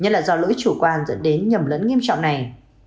nhân là do lưỡi chủ quan dẫn đến nhầm lẫn nghiêm trọng này